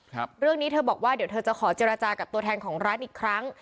เรื่องนี้เธอบอกว่าเดี๋ยวเธอจะขอเจรจากับตัวแทนของร้านอีกครั้ง